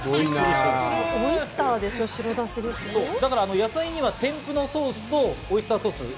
野菜には添付のソースとオイスターソース。